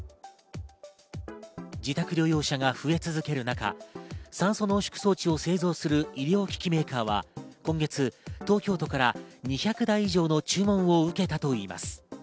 自宅療養者が増え続ける中、酸素濃縮装置を製造する医療機器メーカーは今月、東京都から２００台以上の注文を受けたといいます。